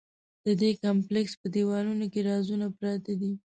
د دې کمپلېکس په دیوالونو کې رازونه پراته دي.